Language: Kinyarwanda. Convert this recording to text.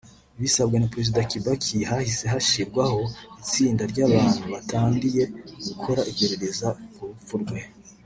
Bisabwe na Perezida Kibaki hahise hashirwaho itsinda ry’abantu batandiye gukora iperereza ku rupfu rwe